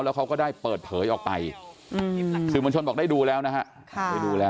แล้วเขาก็ได้เปิดเผยออกไปสื่อมวลชนบอกได้ดูแล้วนะฮะได้ดูแล้ว